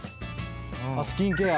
スキンケア。